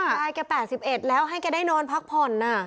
ยายแก๘๑แล้วให้แกได้นอนพักผ่อน